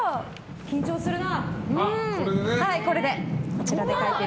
緊張するな。